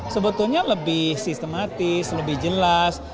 sebetulnya lebih sistematis lebih jelas